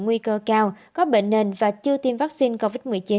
nguy cơ cao có bệnh nền và chưa tiêm vaccine covid một mươi chín